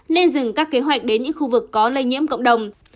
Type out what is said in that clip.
nên dừng các kế hoạch đến những khu vực có lây nhiễm cộng đồng